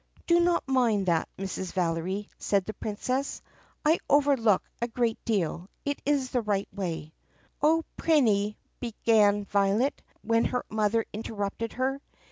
"Do not mind that, Mrs. Valery," said the Princess. "I overlook a great deal. It is the right way." "Oh, Prinny," began Violet, when her mother interrupted her.